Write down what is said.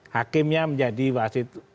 hakimnya menjadi wasit